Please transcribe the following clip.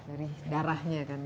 dari darahnya kan ya